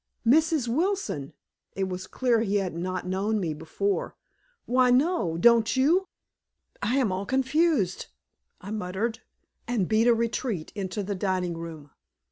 "Mrs. Wilson!" It was clear he had not known me before. "Why, no; don't you?" "I am all confused," I muttered, and beat a retreat into the dining room.